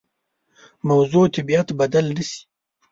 موضوع طبیعت بدل نه شي.